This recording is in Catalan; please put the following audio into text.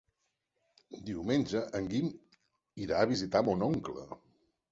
Diumenge en Guim irà a visitar mon oncle.